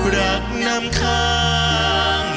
รักนำทาง